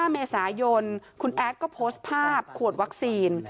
๕เมษายนคุณแอดก็โพสต์ภาพขวดวัคซีน